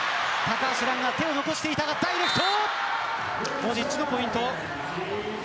モジッチのポイント。